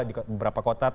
di beberapa kota